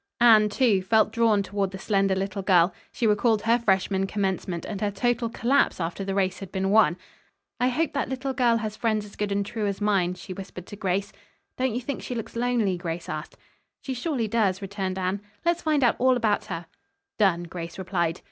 Anne, too, felt drawn toward the slender little girl. She recalled her freshman commencement and her total collapse after the race had been won. "I hope that little girl has friends as good and true as mine," she whispered to Grace. "Don't you think she looks lonely?" Grace asked. "She surely does," returned Anne. "Let's find out all about her." "Done," Grace replied.